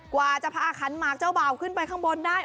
กว่าจะพาขันหมากเจ้าบ่าวขึ้นไปข้างบนได้